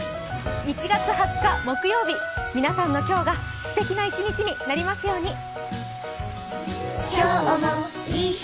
１月２０日木曜日、皆さんの今日が素敵な一日になりますように。